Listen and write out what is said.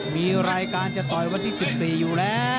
มีรายการจะต่อยวันที่๑๔อยู่แล้ว